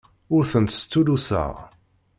Ur tent-stulluseɣ.